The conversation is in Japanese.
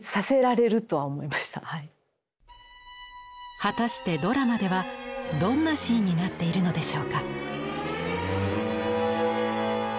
果たしてドラマではどんなシーンになっているのでしょうか？